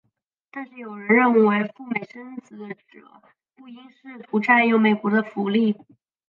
但是有人认为赴美生子者不应试图占用美国的福利。